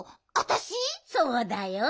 そうだよ。